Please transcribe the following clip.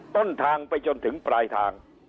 ต้นทางไปจนถึงปลายทาง